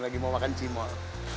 lagi mau makan cimol